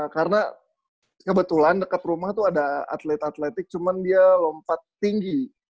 karena kebetulan dekat rumah tuh ada atlet atletik cuman dia lompat tinggi